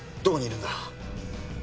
どこにいるんだ！？